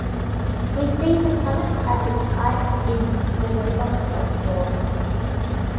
We see the planet at its height in "The Robots of Dawn".